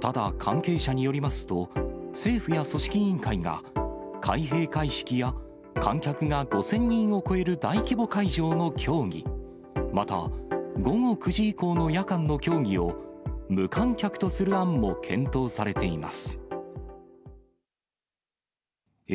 ただ、関係者によりますと、政府や組織委員会が、開閉会式や観客が５０００人を超える大規模会場の競技、また午後９時以降の夜間の競技を、無観客とする案も検討されています。